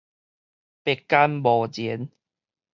白干無然